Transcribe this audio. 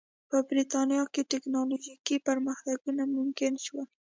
په برېټانیا کې ټکنالوژیکي پرمختګونه ممکن شول.